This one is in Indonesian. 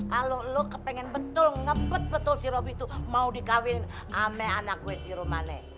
kalau lu pengen betul ngebet betul si robby tuh mau dikawinin sama anak gue si romane